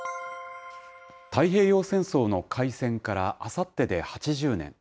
太平洋戦争の開戦からあさってで８０年。